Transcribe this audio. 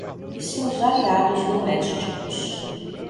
e seus aliados domésticos.